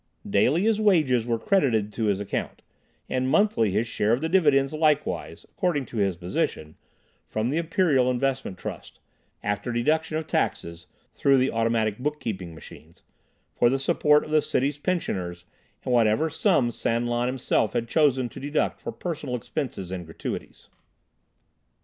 Daily his wages were credited to his account, and monthly his share of the dividends likewise (according to his position) from the Imperial Investment Trust, after deduction of taxes (through the automatic bookkeeping machines) for the support of the city's pensioners and whatever sum San Lan himself had chosen to deduct for personal expenses and gratuities.